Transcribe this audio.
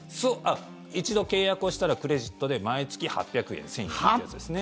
一度契約をしたらクレジットで毎月８００円、１０００円ってやつですね。